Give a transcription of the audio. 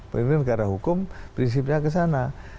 pemimpin negara hukum prinsipnya kesana